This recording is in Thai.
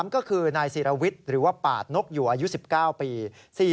ก็คือนายศิรวิทย์หรือว่าปาดนกอยู่อายุ๑๙ปี